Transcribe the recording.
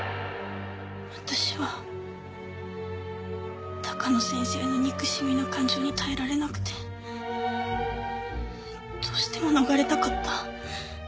私は高野先生の憎しみの感情に耐えられなくてどうしても逃れたかった。